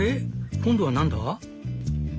今度は何だ？」。